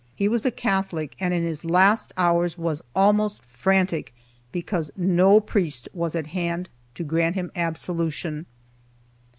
He was a Catholic, and in his last hours was almost frantic because no priest was at hand to grant him absolution.